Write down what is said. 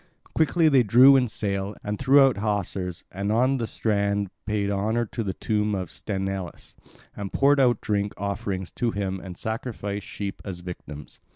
Quickly they drew in sail and threw out hawsers, and on the strand paid honour to the tomb of Sthenelus, and poured out drink offerings to him and sacrificed sheep as victims.